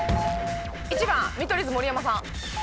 １番見取り図盛山さん。